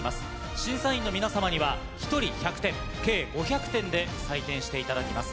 審査員の皆さまには１人１００点計５００点で採点していただきます。